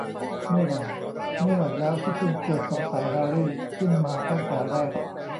เมื่อไหร่ เมื่อไหร่แล้วที่คุณเกิดสงสัยแฮรรี่ขึ้นมาตั้งแต่แรก ?